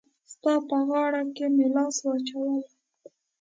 ستا په غاړه کي مي لاس وو اچولی